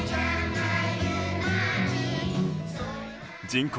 人口